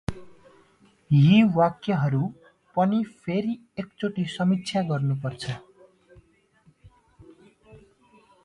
यी वाक्यहरु पनि फेरि एकचोटि समीक्षा गर्नुपर्छ ।